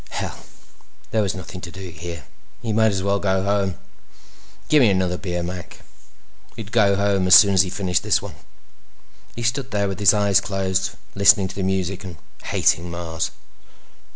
Hell! There was nothing to do here. He might as well go home. "Gimme another beer, Mac." He'd go home as soon as he finished this one. He stood there with his eyes closed, listening to the music and hating Mars.